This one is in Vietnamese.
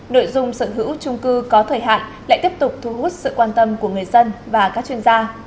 nội dung sở hữu trung cư có thời hạn lại tiếp tục thu hút sự quan tâm của người dân và các chuyên gia